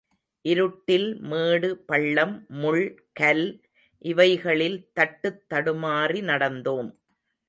இருட்டில் மேடு பள்ளம் முள் கல் இவைகளில் தட்டுத் தடுமாறி நடந்தோம்.